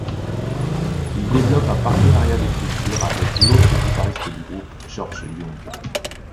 Il développe un partenariat d'écriture avec l'autre guitariste du groupe, George Young.